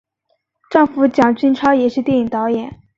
丈夫蒋君超也是电影导演。